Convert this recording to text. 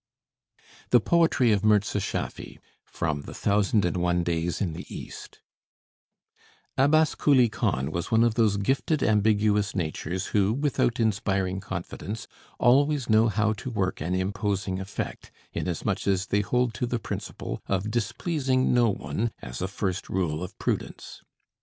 THE POETRY OF MIRZA SCHAFFY From the 'Thousand and One Days in the East' Abbas Kuli Khan was one of those gifted ambiguous natures who, without inspiring confidence, always know how to work an imposing effect, inasmuch as they hold to the principle of displeasing no one, as a first rule of prudence.